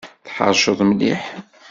Tḥeṛceḍ mliḥ!